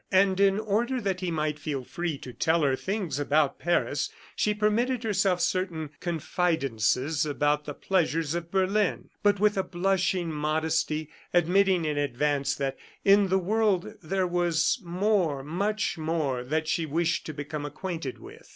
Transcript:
And in order that he might feel free to tell her things about Paris, she permitted herself certain confidences about the pleasures of Berlin, but with a blushing modesty, admitting in advance that in the world there was more much more that she wished to become acquainted with.